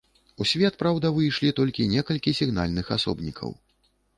У свет, праўда, выйшлі толькі некалькі сігнальных асобнікаў.